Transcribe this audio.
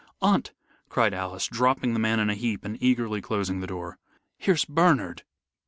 "Aunt!" cried Alice, dropping the man in a heap and eagerly closing the door. "Here's Bernard!"